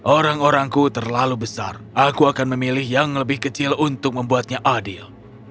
orang orangku terlalu besar aku akan memilih yang lebih kecil untuk membuatnya adil